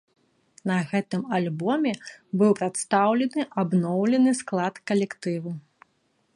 На гэтым альбоме быў прадстаўлены абноўлены склад калектыву.